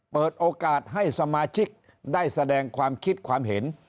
เปิดโอกาสให้สมาชิกได้แสดงความคิดความเห็น